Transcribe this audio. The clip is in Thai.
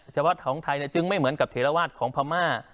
เฉพาะของไทยจึงไม่เหมือนกับเทราวาสของพม่า